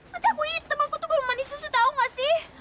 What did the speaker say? nanti aku hitam aku tuh ga mandi susu tau gak sih